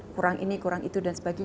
kurang ini kurang itu dan sebagainya